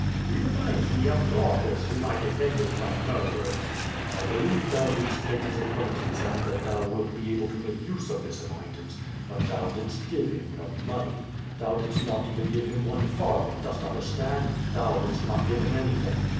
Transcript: He reminds me of Glaucus, whom I defended from mur derers." "I believe thou didst make his acquaintance and that thou wilt be able to make use of this acquaintance, but thou didst give him no money. Thou didst not even give him one farthing, dost understand? Thou didst not give him any thing."